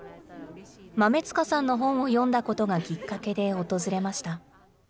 豆塚さんの本を読んだことがきっかけで訪れました。